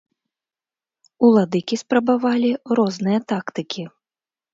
Уладыкі спрабавалі розныя тактыкі.